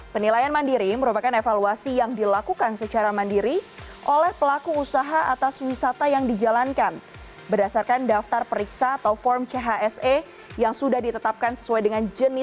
penilaian mandiri merupakan evaluasi yang dilakukan secara mandiri oleh pelaku usaha atas wisata yang dijalankan berdasarkan daftar periksa atau form chse yang sudah ditetapkan sesuai dengan jenis